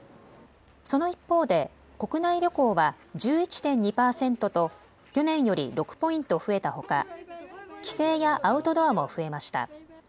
その一方で国内旅行は１１．２％と去年より６ポイント増えたほか帰省やアウトドアも増えました。